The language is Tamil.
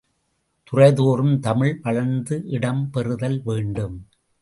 துறைதோறும் தமிழ் வளர்ந்து இடம் பெறுதல் வேண்டும்!